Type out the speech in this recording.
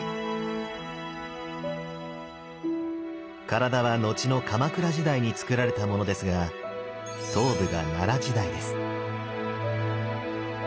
体は後の鎌倉時代につくられたものですが頭部が奈良時代です。